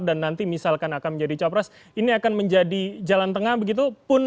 dan nanti misalkan akan menjadi copras ini akan menjadi jalan tengah begitu pun